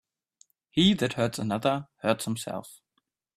He that hurts another, hurts himself.